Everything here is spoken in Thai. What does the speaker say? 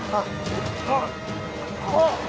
พ่อพ่อพ่อ